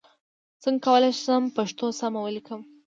څنګه کولای شم پښتو سم ولیکم ؟